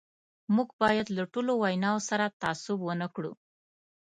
موږ باید له ټولو ویناوو سره تعصب ونه کړو.